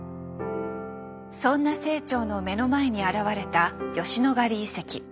そんな清張の目の前に現れた吉野ヶ里遺跡。